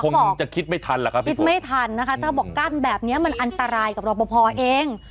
คงจะคิดไม่ทันแหละครับคิดไม่ทันนะคะถ้าบอกกั้นแบบนี้มันอันตรายกับรอปภเอง